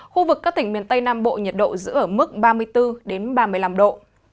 khu vực các tỉnh miền tây nam bộ nhiệt độ giữ ở mức ba mươi bốn ba mươi năm độ